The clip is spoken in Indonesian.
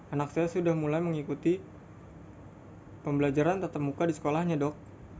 anak saya sudah mulai mengikuti pembelajaran tetap muka di sekolahnya dok